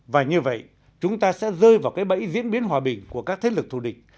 và như vậy chúng ta sẽ rơi vào cái bẫy diễn biến hòa bình của các thế lực thù địch